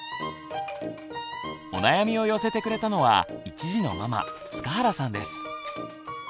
お悩みを寄せてくれたのは１児のママ塚原さんです。